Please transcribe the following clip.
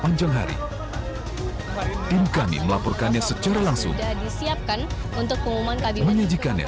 nah ini kita tidak sama sekali menghargai